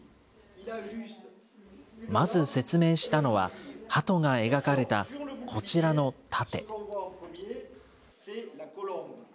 まず説明したのは、ハトが描かれたこちらの盾。